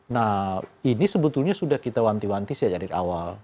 nah ini sebetulnya sudah kita wanti wanti sejak dari awal